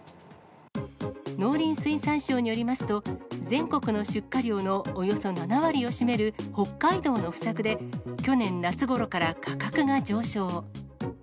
農林水産省によりますと、全国の出荷量のおよそ７割を占める北海道の不作で、去年夏ごろから価格が上昇。